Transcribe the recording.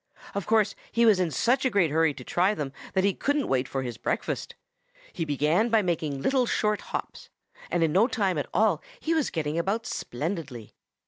Of course he was in such a great hurry to try them that he couldn't wait for his breakfast. He began by making little short hops, and in no time at all he was getting about splendidly.